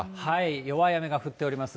弱い雨が降っております。